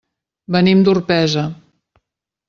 Venim d'Orpesa.